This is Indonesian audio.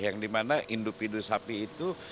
yang dimana indup indu sapi itu